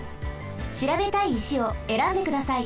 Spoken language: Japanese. しらべたい石をえらんでください。